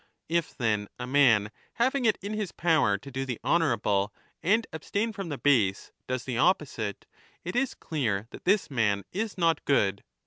If, then, a man, having it in his power to do the honourable and abstain from the base, does the opposite, it is clear that this man is not good.